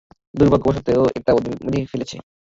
দুর্ভাগ্যবশত এটা ওদের মরে ফেলেছে।